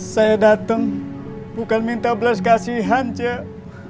saya datang bukan minta belas kasihan cek